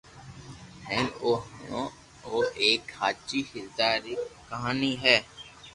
ھين او ھڻو او ايڪ ھاچي ھردا ري ڪہاني ھي